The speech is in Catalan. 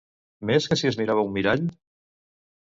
Més que si es mirava a un mirall?